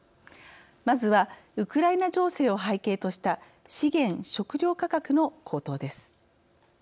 まずはウクライナ情勢を背景とした資源・食糧価格の高騰です。